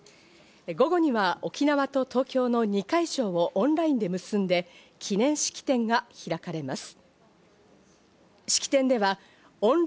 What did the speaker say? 午後には沖縄と東京の２会場をオンラインで結んで、記念式典が開かれます。